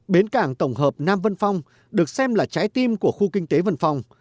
bến cảng tổng hợp nam vân phong được xem là trái tim của khu kinh tế vân phòng